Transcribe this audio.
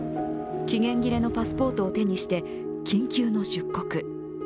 期限切れのパスポートを手にして緊急の出国。